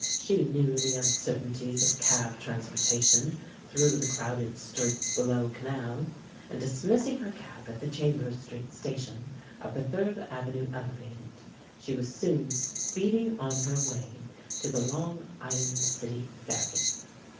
She knew the uncertainties of cab transportation through the crowded streets below Canal, and dismissing her cab at the Chambers Street station of the Third Avenue Elevated, she was soon speeding on her way to the Long Island City ferry.